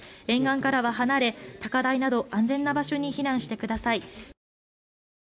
沿岸からは離れた高台など安全な場所に避難してください。